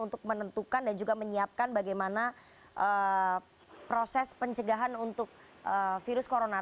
untuk menentukan dan juga menyiapkan bagaimana proses pencegahan untuk virus corona